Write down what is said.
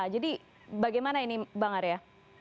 jadi bagaimana ini bang arya